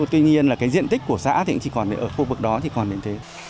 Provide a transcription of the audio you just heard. tuy nhiên là cái diện tích của xã thì chỉ còn ở khu vực đó thì còn đến thế